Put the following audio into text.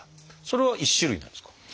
それは１種類なんですか？